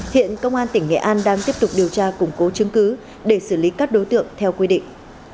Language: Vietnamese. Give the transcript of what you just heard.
hiện công an tỉnh nghệ an đang tiếp tục điều tra củng cố chứng cứ để xử lý các đối tượng theo quy định